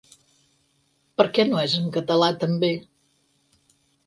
Per què no és en català, també?